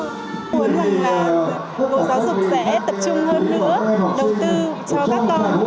em mong là bộ giáo dục sẽ tập trung hơn nữa đầu tư cho các con